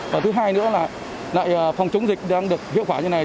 và thứ hai nữa là lại phòng chống dịch đang được hiệu quả như này